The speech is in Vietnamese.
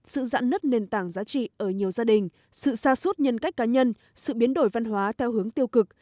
sự giãn nứt nền tảng giá trị ở nhiều gia đình sự xa suốt nhân cách cá nhân sự biến đổi văn hóa theo hướng tiêu cực